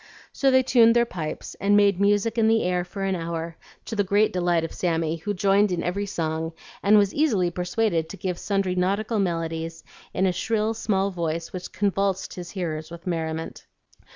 So they tuned their pipes and made "music in the air" for an hour, to the great delight of Sammy, who joined in every song, and was easily persuaded to give sundry nautical melodies in a shrill small voice which convulsed his hearers with merriment.